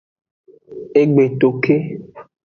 E gbe to ke.